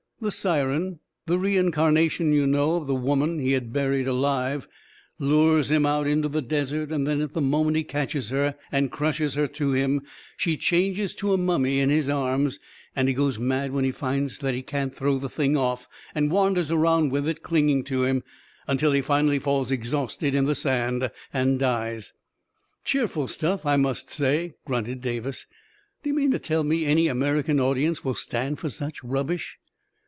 " The siren — the reincarnation, you know, of the woman he had buried alive — lures him out into the desert; and then, at the moment he catches her and crushes her to him, she changes to a mummy in his arms; and he goes mad when he finds that he can't throw the thing off, and wanders around with it clinging to him, until he finally falls exhausted in the sand and dies." " Cheerful stuff, I must say !" grunted Davis. " Do you mean to tell me any American audience will stand for such rubbish